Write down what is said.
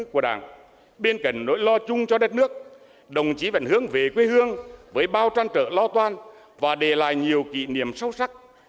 bên cạnh nỗi lo chung cho đất nước đồng chí vẫn hướng về quê hương với bao trăn trở lo toan và để lại nhiều kỷ niệm sâu sắc